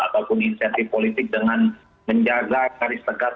ataupun insentif politik dengan menjaga garis tegas